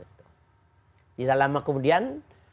tidak lama kemudian